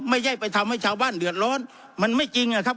ไม่ใช่ไปทำให้ชาวบ้านเดือดร้อนมันไม่จริงอะครับ